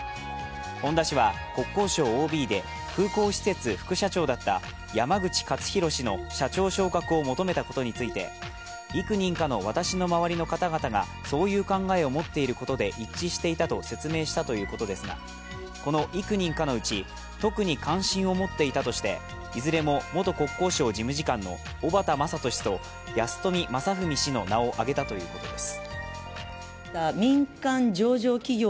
本田氏は国交省ＯＢで空港施設副社長だった山口勝弘氏の社長昇格を求めたことについて幾人かの私の周りの方々がそういう考えを持っていることで一致していたと説明したということですがこの幾人かのうち、特に関心を持っていたとしていずれも元国交省事務次官の小幡政人氏と安富正文氏の名をあげたということです。